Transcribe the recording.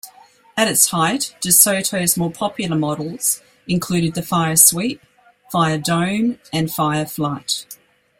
At its height, DeSoto's more popular models included the Firesweep, Firedome, and Fireflite.